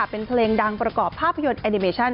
เป็นเพลงดังประกอบภาพยนตร์แอนิเมชั่น